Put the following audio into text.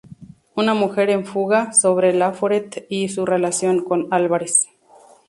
Una mujer en fuga" sobre Laforet y su relación con Álvarez.